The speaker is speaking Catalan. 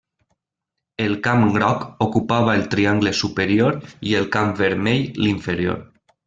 El camp groc ocupava el triangle superior i el camp vermell l'inferior.